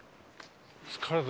疲れた。